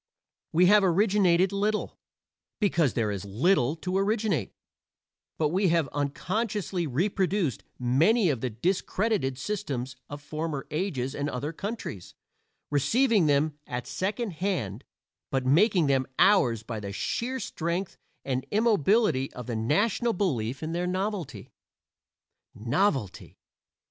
We have originated little, because there is little to originate, but we have unconsciously reproduced many of the discredited systems of former ages and other countries receiving them at second hand, but making them ours by the sheer strength and immobility of the national belief in their novelty. Novelty!